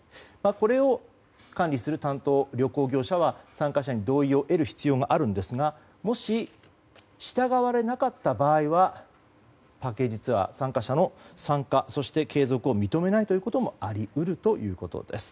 これを管理する担当旅行業者は参加者に同意を得る必要があるんですがもし、従われなかった場合はパッケージツアー参加者の参加や継続を認めないこともあり得るということです。